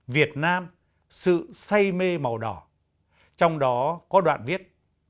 việt nam sự say mê màu đỏ trong đó có đoạn viết